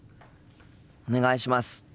お願いします。